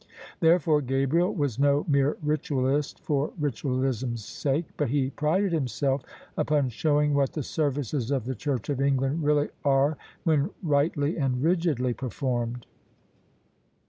Therefore Gabriel was no mere Ritualist for Ritualism's sake; but he prided himself upon showing what the services of the Church of England really are when rightly and rigidjy performed.